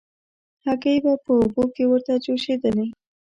هګۍ به په اوبو کې ورته جوشېدلې.